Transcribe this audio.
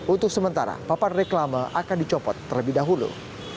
untuk sementara papan reklama akan dicopot terlebih dahulu